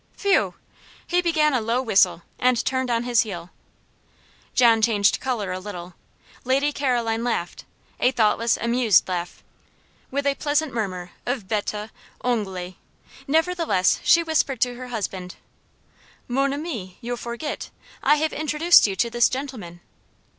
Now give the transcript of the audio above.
"Phew!" He began a low whistle, and turned on his heel. John changed colour a little. Lady Caroline laughed a thoughtless, amused laugh, with a pleasant murmur of "Bete!" "Anglais!" Nevertheless, she whispered to her husband "Mon ami you forget; I have introduced you to this gentleman."